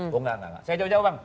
saya jawab jawab bang